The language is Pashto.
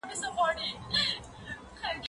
زه اوس کتاب وليکم،،